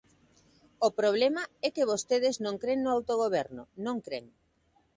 O problema é que vostedes non cren no autogoberno, non cren.